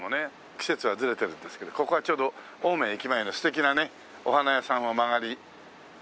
季節はずれてるんですけどここはちょうど青梅駅前の素敵なねお花屋さんを間借りさせて頂きまして。